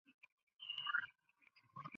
荒狼之后被狄萨德所复活。